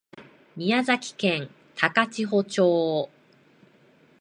宮崎県高千穂町